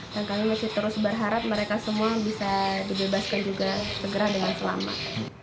dan kami masih terus berharap mereka semua bisa dibebaskan juga segera dengan selamat